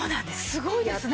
すごいですね。